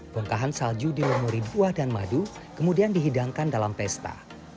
bongkahan salju dilumuri buah dan madu kemudian dihidangkan dalam pesta